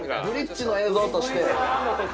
ブリッジの映像として。